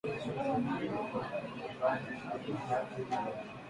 wasiwasi Miongoni mwa mbuzi viini hivyo vinaweza kuvamia viungo vingine vya mwili